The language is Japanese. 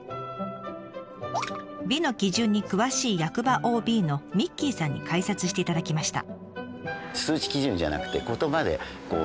「美の基準」に詳しい役場ＯＢのミッキーさんに解説していただきました。